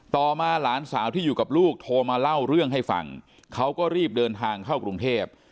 ต่อมาหลานสาวที่อยู่กับลูกโทรมาเล่าเรื่องให้ฟังเขาก็รีบเดินทางเข้ากรุงเทพ